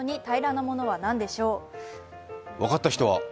分かった人は？